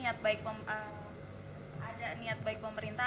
ada niat baik pemerintah